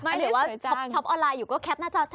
ไม่เดี๋ยวว่าช็อปออนไลน์อยู่ก็แคปหน้าเจ้า